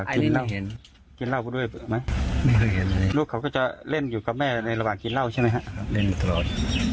ในระหว่างกินเหล้าใช่ไหมครับ